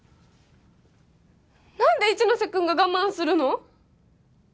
何で一ノ瀬君が我慢するの？